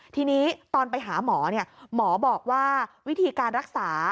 ทีนี้ตอนไปหาหมอหมอบอกว่าวิธีการรักษา